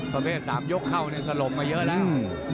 ตัวเพศ๓ยกเข้าในสลมมาเยอะแล้ว